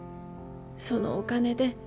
「そのお金で」